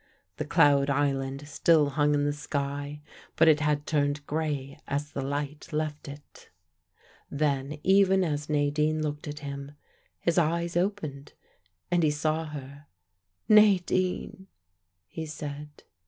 The cloud island still hung in the sky, but it had turned gray as the light left it. Then even as Nadine looked at him, his eyes opened and he saw her. "Nadine," he said.